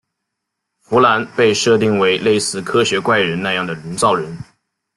芙兰被设定为类似科学怪人那样的人造人。